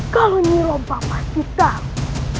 kau ini rompah pasti tahu